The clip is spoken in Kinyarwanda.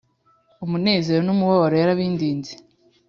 Umunezero n’umubabaro yarabindinze